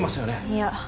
いや。